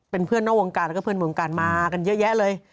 เป็นเพื่อนนอกวงการแล้วก็เพื่อนวงการมากันเยอะแยะเลย